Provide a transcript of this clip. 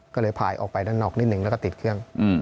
ก็เลยพายออกไปด้านนอกนิดหนึ่งแล้วก็ติดเครื่อง